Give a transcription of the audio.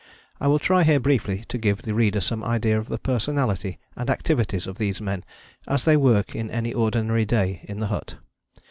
I will try here briefly to give the reader some idea of the personality and activities of these men as they work any ordinary day in the hut.